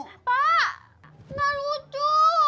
pak enggak lucu